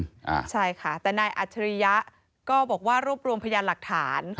อ่าใช่ค่ะแต่นายอัจฉริยะก็บอกว่ารวบรวมพยานหลักฐาน